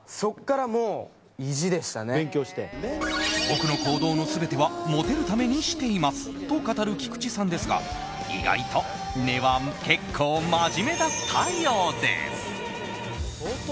僕の行動の全てはモテるためにしていますと語る菊池さんですが意外と、根は結構真面目だったようです。